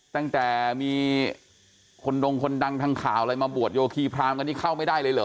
ตั้งแต่มีคนดงคนดังทางข่าวอะไรมาบวชโยคีพรามกันนี่เข้าไม่ได้เลยเหรอ